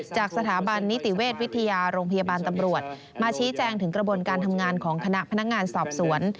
จากสถาบันนิติเวชวิทยาโรงพยาบาลตำรวจมาชี้แจงถึงกระบวนการทำงานของคณะพนักงานสอบสวน